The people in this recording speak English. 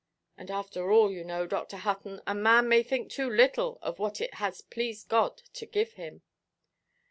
And after all, you know, Dr. Hutton, a man may think too little of what it has pleased God to give him."